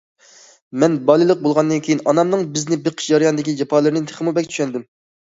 مەن بالىلىق بولغاندىن كېيىن، ئانامنىڭ بىزنى بېقىش جەريانىدىكى جاپالىرىنى تېخىمۇ بەك چۈشەندىم.